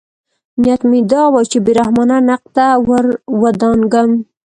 نیت مې دا و چې بې رحمانه نقد ته ورودانګم.